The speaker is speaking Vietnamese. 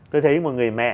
tôi thấy một người mẹ